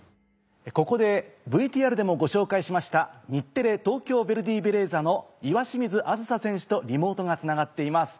ここでＶＴＲでもご紹介しました日テレ・東京ベルディベレーザの。とリモートがつながっています。